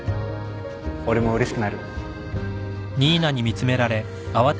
俺もうれしくなる。